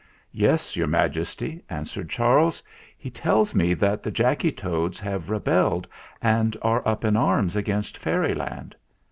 "Yes, Your Majesty," answered Charles. "He tells me that the Jacky Toads have re belled and are up in arms against Fairyland."